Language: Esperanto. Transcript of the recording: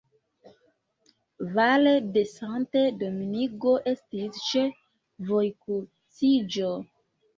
Val de Santo Domingo estis ĉe vojkruciĝo.